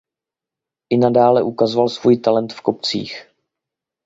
I nadále ukazoval svůj talent v kopcích.